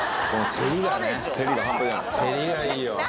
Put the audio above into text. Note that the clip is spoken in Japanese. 照りがいいよ。